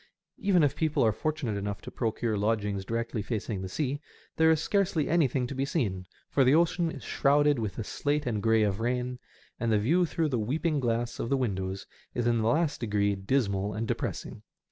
Even if people are fortunate enough to procure lodgings directly facing the sea, there is scarcely anything to be seen, for the ocean is shrouded with the slate and grey of rain, and the view through the weeping glass of the windows is in the last degree dismal and depressing.